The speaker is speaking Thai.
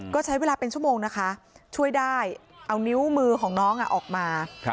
ก็ใช้เวลาเป็นชั่วโมงนะคะช่วยได้เอานิ้วมือของน้องออกมา